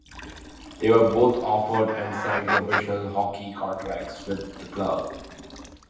They were both offered, and signed, professional hockey contracts with the club.